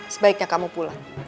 sebaiknya kamu pulang